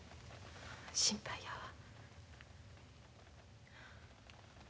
心配やわ。